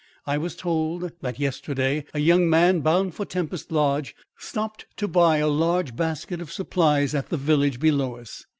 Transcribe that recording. I was told that yesterday a young man bound for Tempest Lodge, stopped to buy a large basket of supplies at the village below us.